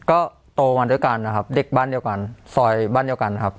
ก็โตมาด้วยกันนะครับเด็กบ้านเดียวกันซอยบ้านเดียวกันครับ